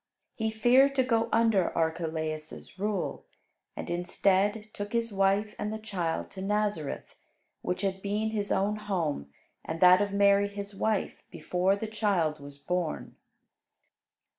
He feared to go under Archelaus' rule, and instead took his wife and the child to Nazareth, which had been his own home and that of Mary his wife before the child was born.